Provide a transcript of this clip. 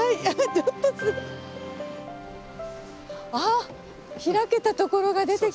開けたところが出てきました。